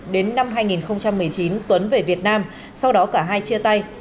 đến năm hai nghìn một mươi chín tuấn về việt nam sau đó cả hai chia tay